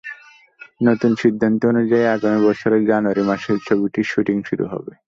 নতুন সিদ্ধান্ত অনুযায়ী আগামী বছরের জানুয়ারি মাসে ছবিটির শুটিং শুরু হবে।